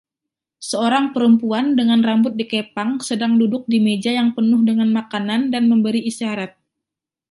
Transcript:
Seorang perempuan dengan rambut dikepang sedang duduk di meja yang penuh dengan makanan dan memberi isyarat.